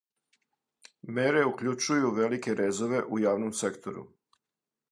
Мере укључују велике резове у јавном сектору.